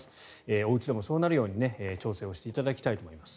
おうちでもそうなるように調整していただきたいと思います。